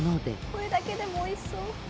これだけでもおいしそう！